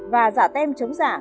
và giả tem chống giả